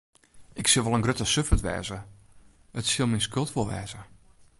Ik sil wol in grutte suffert wêze, it sil myn skuld wol wêze.